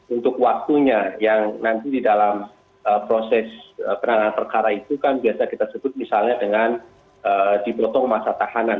untuk waktunya yang nanti di dalam proses penanganan perkara itu kan biasa kita sebut misalnya dengan dipotong masa tahanan